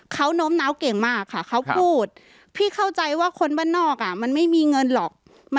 เขาโน้มน้าวเก่งมากค่ะเขาพูดพี่เข้าใจว่าคนบ้านนอกมันไม่มีเงินหรอก